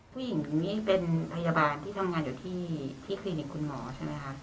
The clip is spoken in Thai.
ผู้หญิงนี่เป็นพยาบาลที่ทำงานอยู่ที่คลินิกคุณหมอใช่ไหมคะ